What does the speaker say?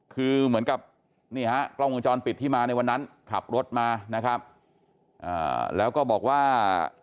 คือเหมือนกับนี่ฮะกล้องวงจรปิดที่มาในวันนั้นขับรถมานะครับแล้วก็บอกว่า